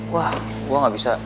wah gue gak bisa